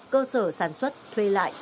cơ sở sản xuất thuê lại